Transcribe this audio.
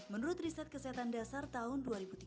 menurut riset kesehatan dasar tahun dua ribu tiga belas